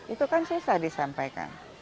itu kan susah disampaikan